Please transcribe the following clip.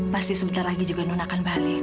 pasti sebentar lagi juga non akan balik